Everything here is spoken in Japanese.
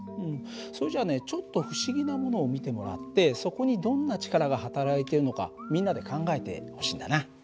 それじゃあねちょっと不思議なものを見てもらってそこにどんな力がはたらいているのかみんなで考えてほしいんだな。